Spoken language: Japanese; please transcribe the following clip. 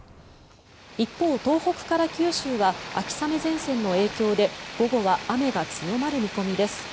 一方、東北から九州は秋雨前線の影響で午後は雨が強まる見込みです。